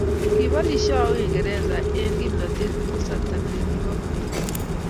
Kiborisho Uingereza eng kimnotee kasata ne ki bo Blitz.